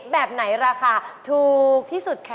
แบบไหนราคาถูกที่สุดคะ